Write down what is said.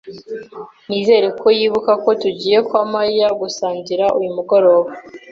Nizere ko yibuka ko tugiye kwa Mariya gusangira uyu mugoroba.